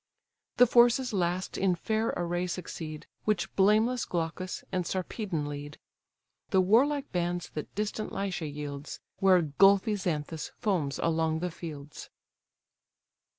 The forces last in fair array succeed, Which blameless Glaucus and Sarpedon lead The warlike bands that distant Lycia yields, Where gulfy Xanthus foams along the fields.